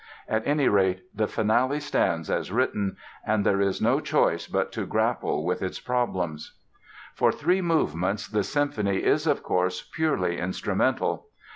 At any rate, the Finale stands as written and there is no choice but to grapple with its problems. For three movements the symphony is of course, purely instrumental.